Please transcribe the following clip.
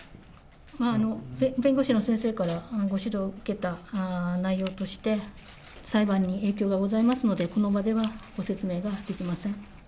弁護士の先生からご指導を受けた内容として、裁判に影響がございますので、この場ではご説明ができません。